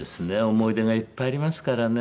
思い出がいっぱいありますからね。